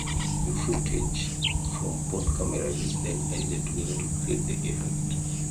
The footage from both cameras is then edited together to create the effect.